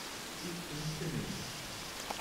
Ich bin Finnin.